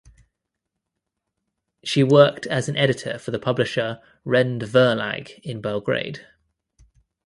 She worked as an editor for the publisher Rende Verlag in Belgrade.